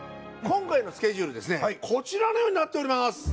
今回のスケジュールですねこちらのようになっております。